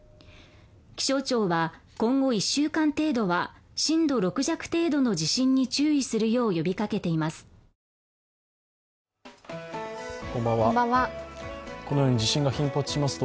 気象庁は今後１週間程度は震度６弱程度の地震に注意するよう呼びかけています。